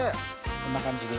こんな感じで。